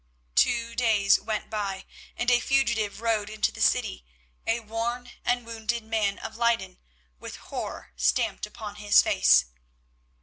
Two days went by, and a fugitive rode into the city, a worn and wounded man of Leyden, with horror stamped upon his face.